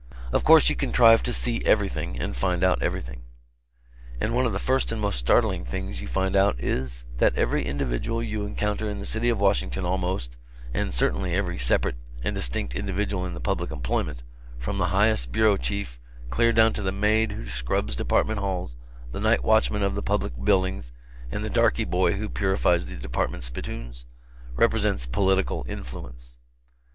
Of course you contrive to see everything and find out everything. And one of the first and most startling things you find out is, that every individual you encounter in the City of Washington almost and certainly every separate and distinct individual in the public employment, from the highest bureau chief, clear down to the maid who scrubs Department halls, the night watchmen of the public buildings and the darkey boy who purifies the Department spittoons represents Political Influence.